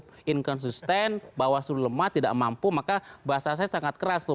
bukan konsisten bawah seluruh lemah tidak mampu maka bahasa saya sangat keras tuh